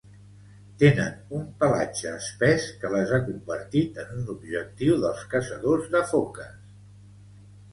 Tenen un pelatge espès que les ha convertit en un objectiu dels caçadors de foques.